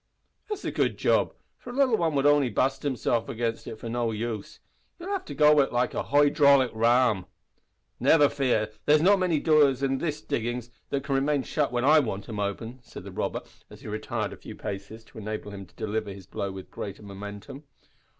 "That's a good job, for a little un would only bust hisself agin it for no use. You'll have to go at it like a hoy draulic ram." "Never fear. There's not many doors in these diggin's that can remain shut when I want 'em open," said the robber, as he retired a few paces to enable him to deliver his blow with greater momentum.